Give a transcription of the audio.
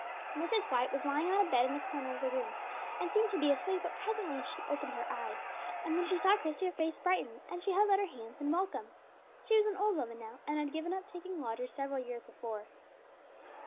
Mrs. White was lying on a bed in the corner of the room, and seemed to be asleep; but presently she opened her eyes, and when she saw Christie her face brightened, and she held out her hands in welcome. She was an old woman now, and had given up taking lodgers several years before.